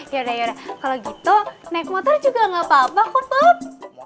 yaudah yaudah kalo gitu naik motor juga gak apa apa kok bob